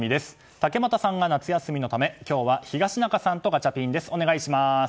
竹俣さんが夏休みのため今日は東中さんとガチャピンです。